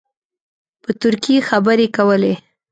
په ترکي خبرې کولې.